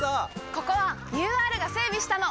ここはＵＲが整備したの！